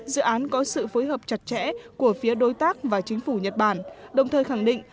dự án có sự phối hợp chặt chẽ của phía đối tác và chính phủ nhật bản đồng thời khẳng định